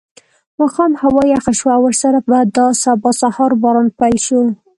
ماښام هوا یخه شوه او ورسره په دا سبا سهار باران پیل شو.